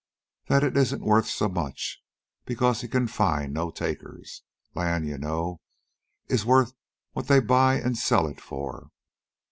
That it isn't worth so much; because he can find no takers. Land, you know, is worth what they buy and sell it for."